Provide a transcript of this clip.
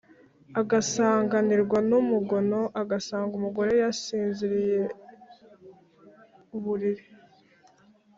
agasanganirwa n’umugono, agasanga umugore yasinziriye uburiri